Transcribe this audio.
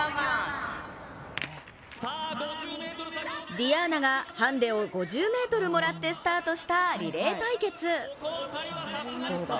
ｄｉａｎａがハンデを５０ｍもらってスタートしたリレー対決。